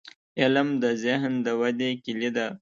• علم، د ذهن د ودې کلي ده.